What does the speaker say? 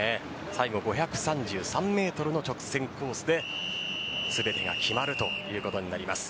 最後５３３ｍの直線コースで全てが決まるということになります。